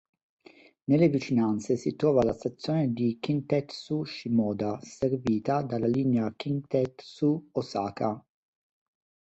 Nelle vicinanze si trova la stazione di Kintetsu Shimoda servita dalla linea Kintetsu Ōsaka.